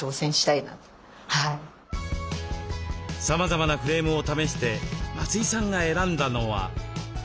さまざまなフレームを試して松井さんが選んだのは。